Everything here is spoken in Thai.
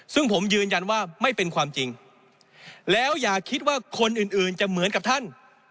ซึ่งผมยืนยันว่าไม่เป็นความจริงแล้วอย่าคิดว่าคนอื่นจะเหมือนกับท่าน